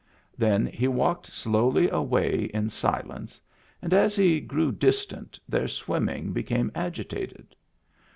Then he walked slowly away in silence, and as he grew distant their swimming became agitated.